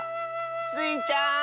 スイちゃん。